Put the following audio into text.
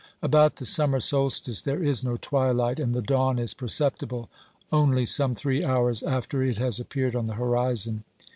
About the summer solstice there is no twilight, and the dawn is perceptible only some three hours after it has appeared on the horizon.